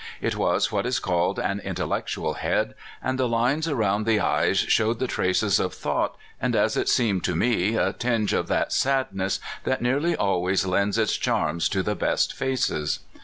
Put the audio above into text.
It was what is called an intellectual head; and the lines around the eyes showed the traces of thought, and, as it seemed to me, a tinge of that sadness that nearly always lends its charm to the best faces.